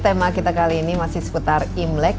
tema kita kali ini masih seputar imlek